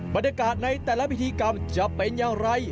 บรรยากาศในแต่ละพิธีกรรมจะเป็นอย่างไร